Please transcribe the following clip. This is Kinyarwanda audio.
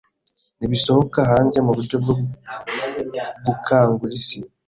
Nibisohoka hanze muburyo bwo gukangura isi